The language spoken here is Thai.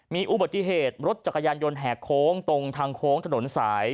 มีอุบัติเหตุรถจักรยานยนต์แหกโค้งตรงทางโค้งถนนสาย